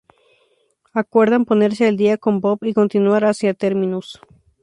Acuerdan ponerse al día con Bob y continuar hacia Terminus.